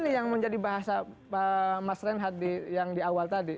ini yang menjadi bahasa mas renhat yang di awal tadi